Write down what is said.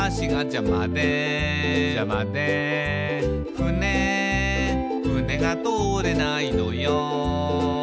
「ふねふねが通れないのよ」